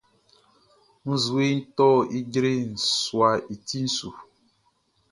Nzueʼn tɔ ijre suaʼn i ti su.